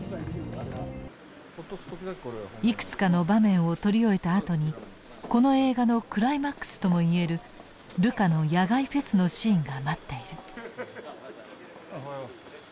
いくつかの場面を撮り終えた後にこの映画のクライマックスとも言えるルカの野外フェスのシーンが待っている。